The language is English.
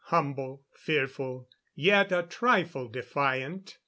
Humble, fearful, yet a trifle defiant.